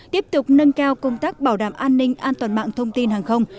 tiếp tục nâng cao công tác bảo đảm an ninh an toàn mạng thông tin hàng không